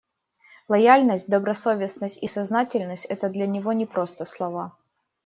Лояльность, добросовестность и сознательность — это для него не просто слова.